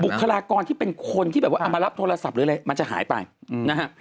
คลากรที่เป็นคนที่แบบว่าเอามารับโทรศัพท์หรืออะไรมันจะหายไปนะฮะ